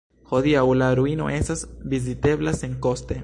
Hodiaŭ la ruino estas vizitebla senkoste.